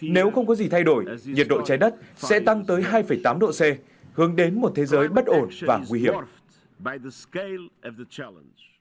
nếu không có gì thay đổi nhiệt độ trái đất sẽ tăng tới hai tám độ c hướng đến một thế giới bất ổn và nguy hiểm